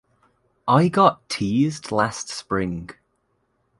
I got teased last spring.